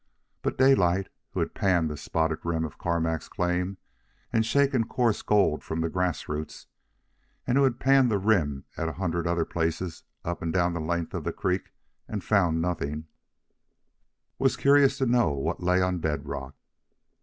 But Daylight, who had panned the spotted rim of Carmack's claim and shaken coarse gold from the grass roots, and who had panned the rim at a hundred other places up and down the length of the creek and found nothing, was curious to know what lay on bed rock.